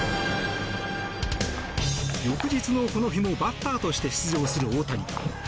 翌日のこの日もバッターとして出場する大谷。